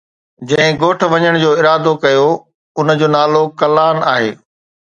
جنهن ڳوٺ وڃڻ جو ارادو ڪيو ان جو نالو ”ڪلان“ آهي.